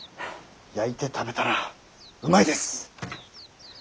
焼いて食べたらうまいです。